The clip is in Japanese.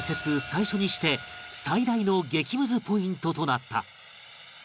最初にして最大の激ムズポイントとなった